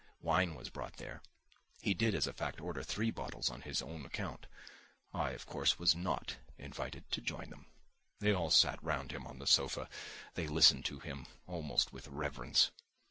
Wine was brought there. He did, as a fact, order three bottles on his own account. I, of course, was not invited to join them. They all sat round him on the sofa. They listened to him, almost with reverence.